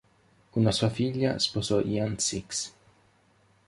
Una sua figlia sposò Jan Six.